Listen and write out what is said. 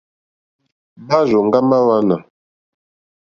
Márzòŋɡá mâ hwánà.